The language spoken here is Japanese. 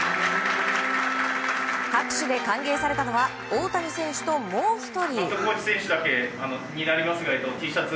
拍手で歓迎されたのは大谷選手ともう１人。